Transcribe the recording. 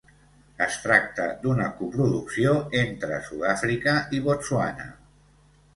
Es tracta d'una coproducció entre Sud-àfrica i Botswana.